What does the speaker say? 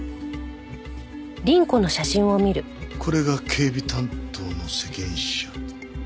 これが警備担当の責任者。